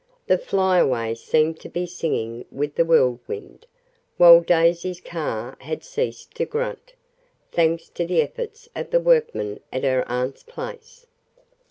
The Flyaway seemed to be singing with the Whirlwind, while Daisy's car had ceased to grunt, thanks to the efforts of the workman at her aunt's place.